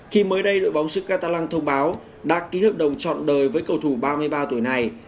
khi mới đây đội bóng sức catalan thông báo đạt ký hợp đồng trọn đời với cầu thủ ba mươi ba tuổi này